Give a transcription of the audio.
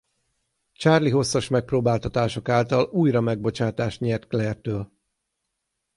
Charlie hosszas megpróbáltatások által újra megbocsátást nyert Claire-től.